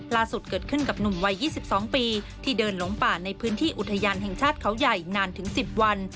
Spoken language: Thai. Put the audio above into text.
ล่าสุดเกิดขึ้นกับหนุ่มวัย๒๒ปีที่เดินหลงป่าในพื้นที่อุทยานแห่งชาติเขาใหญ่นานถึง๑๐วัน